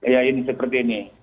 ya ini seperti ini